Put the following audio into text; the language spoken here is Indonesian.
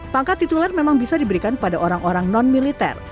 pangkat tituler memang bisa diberikan pada orang orang non militer